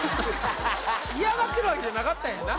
嫌がってるわけじゃなかったんやな